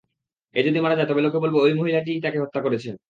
এ যদি মারা যায় তবে লোকে বলবে ঐ মহিলাটিই তাকে হত্যা করেছে।